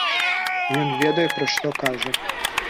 Ён ведае, пра што кажа.